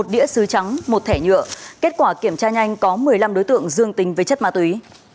một đĩa xứ trắng một thẻ nhựa kết quả kiểm tra nhanh có một mươi năm đối tượng dương tính với chất ma túy